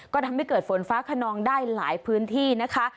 ก็ทำให้เกิดฝนฟ้าขนองได้หลายพื้นที่นะคะ